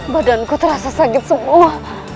badanku terasa sakit semua